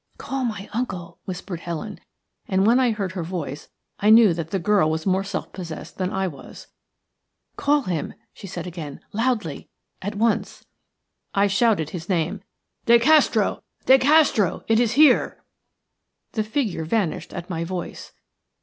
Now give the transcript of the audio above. "Call my uncle," whispered Helen, and when I heard her voice I knew that the girl was more self possessed than I was. "Call him," she said again, "loudly – at once." I shouted his name:– "De Castro, De Castro; it is here!" The figure vanished at my voice.